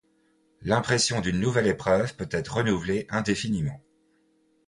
L’impression d’une nouvelle épreuve peut être renouvelée indéfiniment.